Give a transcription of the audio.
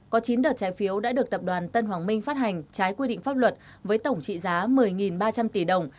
có chín đợt trái phiếu đã được tập đoàn tân hoàng minh phát hành trái quy định pháp luật với tổng trị giá một mươi ba trăm linh tỷ đồng